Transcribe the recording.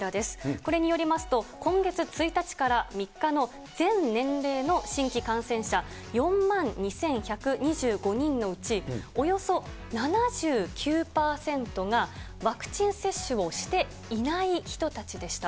これによりますと、今月１日から３日の全年齢の新規感染者４万２１２５人のうち、およそ７９％がワクチン接種をしていない人たちでした。